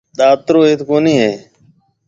ڏاترو ايٿ ڪونِي هيَ۔